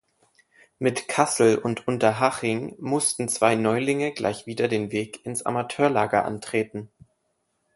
Mit Kassel und Unterhaching mussten zwei Neulinge gleich wieder den Weg ins Amateurlager antreten.